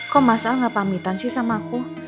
kok mas al gak pamitan sih sama aku